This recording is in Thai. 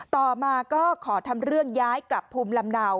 ต่อมาก็ขอทำเรื่องย้ายกลับภูมิลำเนา